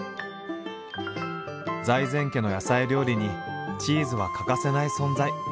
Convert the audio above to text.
財前家の野菜料理にチーズは欠かせない存在。